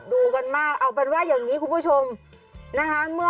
ดูกันมากเอาเป็นว่าอย่างนี้คุณผู้ชมนะคะ